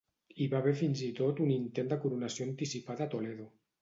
Hi va haver fins i tot un intent de coronació anticipada a Toledo.